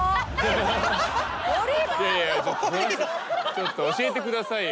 ちょっと教えてくださいよ。